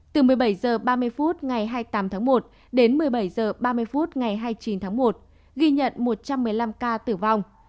từ một mươi bảy h ba mươi phút ngày hai mươi tám tháng một đến một mươi bảy h ba mươi phút ngày hai mươi chín tháng một ghi nhận một trăm một mươi năm ca tử vong